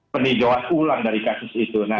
peninjauan ulang dari kasus itu